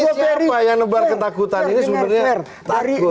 siapa yang ngembar ketakutan ini sebenarnya takut